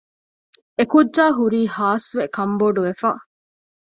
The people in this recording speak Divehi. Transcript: އެކުއްޖާހުރީ ހާސްވެ ކަންބޮޑުވެފަ